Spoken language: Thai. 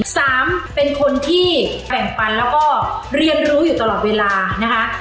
สามเป็นคนที่แบ่งปันแล้วก็เรียนรู้อยู่ตลอดเวลานะคะ